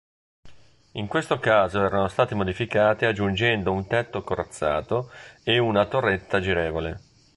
In questo caso erano stati modificati aggiungendo un tetto corazzato e una torretta girevole.